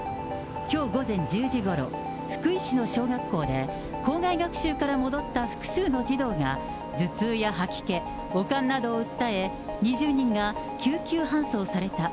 きょう午前１０時ごろ、福井市の小学校で、校外学習から戻った複数の児童が頭痛や吐き気、悪寒などを訴え、２０人が救急搬送された。